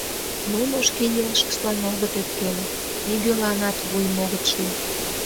Нуно шке илышыштлан огыт ӧпкеле, нигӧланат вуйым огыт ший.